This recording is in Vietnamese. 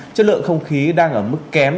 chất lượng không khí đang ở mức kém